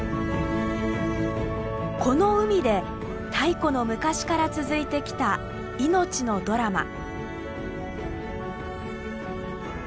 この海で太古の昔から続いてきた命のドラマ。